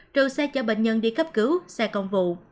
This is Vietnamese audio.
trừ xe chở bệnh nhân đi cấp cứu xe công vụ